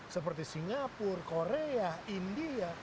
seperti singapura korea india